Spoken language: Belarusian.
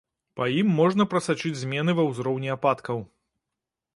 Па ім можна прасачыць змены ва ўзроўні ападкаў.